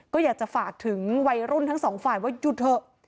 ก็อยากจะฝากถึงวัยรุ่นทั้งสองฝ่ายว่าหยุดเถอะ